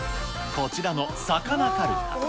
こちらのさかなかるた。